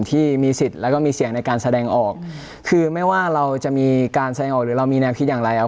ที่มีสิทธิ์แล้วก็มีเสียงในการแสดงออกคือไม่ว่าเราจะมีการแสดงออกหรือเรามีแนวคิดอย่างไรอ่ะ